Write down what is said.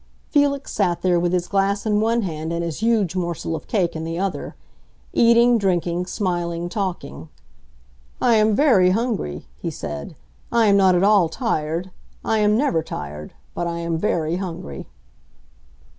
Felix sat there, with his glass in one hand and his huge morsel of cake in the other—eating, drinking, smiling, talking. "I am very hungry," he said. "I am not at all tired; I am never tired. But I am very hungry."